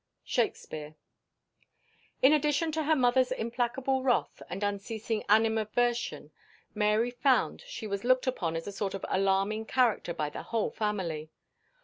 SHAKESPEARE. IN addition to her mother's implacable wrath and unceasing animadversion Mary found she was looked upon as a sort of alarming character by the whole family.